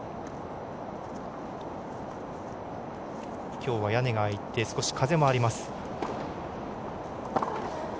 きょうは屋根が開いて少し風もあります。